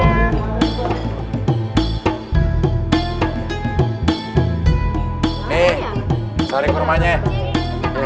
nih saling ke rumahnya